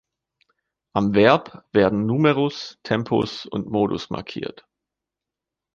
Am Verb werden Numerus, Tempus und Modus markiert.